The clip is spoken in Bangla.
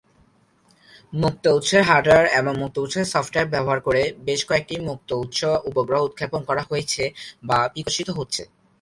মুক্ত উৎসের হার্ডওয়্যার এবং মুক্ত উৎসের সফ্টওয়্যার ব্যবহার করে বেশ কয়েকটি মুক্ত উৎস উপগ্রহ উৎক্ষেপণ করা হয়েছে বা বিকশিত হচ্ছে।